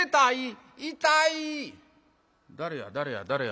「誰や誰や誰や？